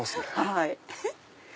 はい。